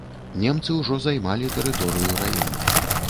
Немцы ўжо займалі тэрыторыю раёна.